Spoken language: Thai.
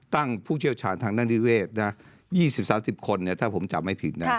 ผู้เชี่ยวชาญทางด้านนิเวศ๒๐๓๐คนถ้าผมจับไม่ผิดนะ